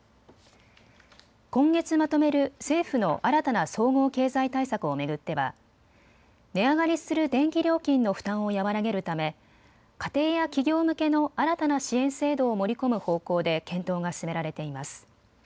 今月まとめる政府の新たな総合経済対策を巡っては値上がりする電気料金の負担を和らげるため家庭や企業向けの新たな支援制度を盛り込む方向で検討が進められています。